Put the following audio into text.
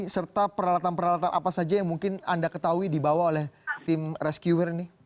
serta peralatan peralatan apa saja yang mungkin anda ketahui dibawa oleh tim rescuer ini